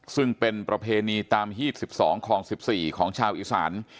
ซึ่งเป็นประเพณีตามฮีด๑๒คลอง๑๔ของชาวอีสาน